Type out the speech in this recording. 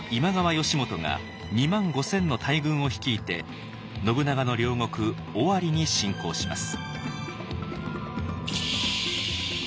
義元が２万５，０００の大軍を率いて信長の領国尾張に侵攻します。